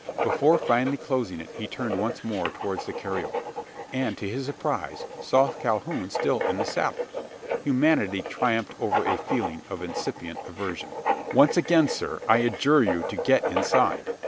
Before finally closing it, he turned once more towards the carriole; and, to his surprise, saw Calhoun still in the saddle. Humanity triumphed over a feeling of incipient aversion. "Once again, sir, I adjure you to get inside!